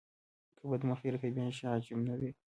که بد مخي رقیبان شي عجب نه دی.